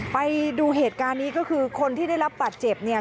ไปดูเหตุการณ์นี้ก็คือคนที่ได้รับบาดเจ็บเนี่ย